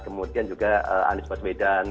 kemudian juga anies baswedan